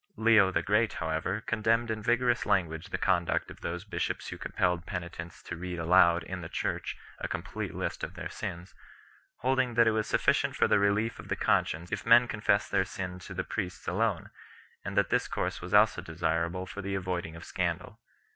Leo the Great 4 , however, condemned in vigorous language the conduct of those bishops who compelled penitents to read aloud in the church a complete list of their sins, holding that it was sufficient for the relief of the conscience if men confessed their sin to the priests alone, and that this course was also desirable for the avoiding of scandal.